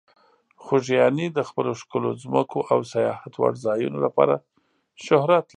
خوږیاڼي د خپلو ښکلو ځمکو او سیاحت وړ ځایونو لپاره شهرت لري.